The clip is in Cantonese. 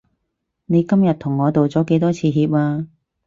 你今日同我道咗幾多次歉啊？